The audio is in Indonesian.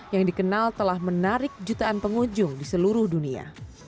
yang dikenal telah menarik jutaan pengunjung di seluruh dunia